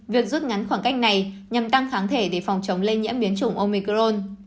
việc rút ngắn khoảng cách này nhằm tăng kháng thể để phòng chống lây nhiễm biến chủng omicron